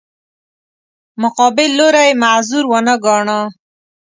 مقابل لوری یې معذور ونه ګاڼه.